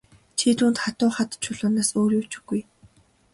Түүнд чинь хатуу хад чулуунаас өөр юу ч үгүй.